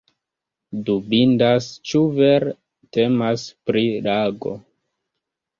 Dubindas ĉu vere temas pri lago.